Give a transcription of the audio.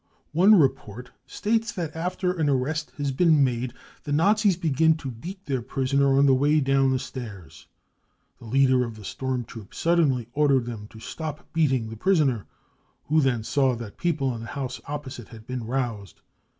One report states that after an arrest had been made the Nazis began to beat their prisoner on the way down the stairs. The leader of the storm troop suddenly ordered them to stop beating the prisoner, who then saw that people m the house opposite had been roused.